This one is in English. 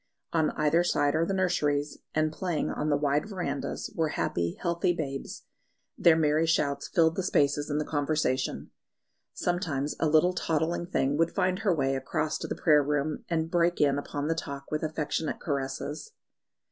On either side are the nurseries, and playing on the wide verandahs were happy, healthy babes; their merry shouts filled the spaces in the conversation. Sometimes a little toddling thing would find her way across to the prayer room, and break in upon the talk with affectionate caresses.